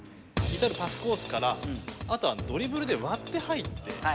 一旦パスコースからあとはドリブルで割って入って。